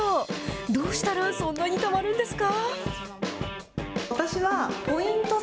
どうしたらそんなにたまるんですか。